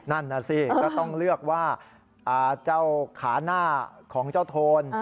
นั่นน่ะสิก็ต้องเลือกว่าเจ้าขาหน้าของเจ้าโทน